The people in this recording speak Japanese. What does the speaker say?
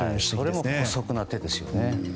それも姑息な手ですよね。